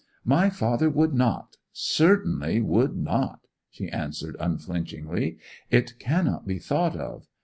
'My father would not—certainly would not,' she answered unflinchingly. 'It cannot be thought of!